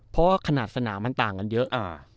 เพราะว่าขนาดสนามมันต่างกันเยอะ